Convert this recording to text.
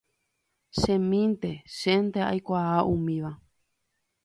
chemínte, chénte aikuaa umíva